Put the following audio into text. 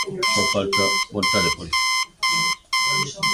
Só falta vontade política.